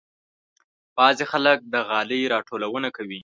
بعضې خلک د غالۍ راټولونه کوي.